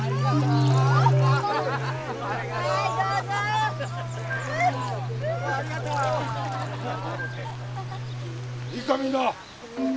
いいかみんな！